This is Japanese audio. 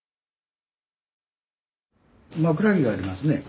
枕木がありますね。